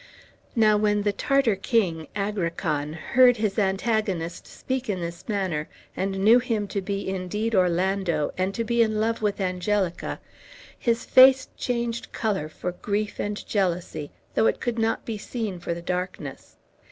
Now when the Tartar king, Agrican, heard his antagonist speak in this manner, and knew him to be indeed Orlando, and to be in love with Angelica, his face changed color for grief and jealousy, though it could not be seen for the darkness.